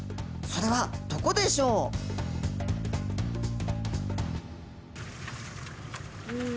それはどこでしょう？